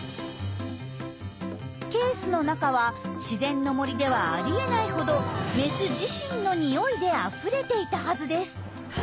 ケースの中は自然の森ではありえないほどメス自身のにおいであふれていたはずです。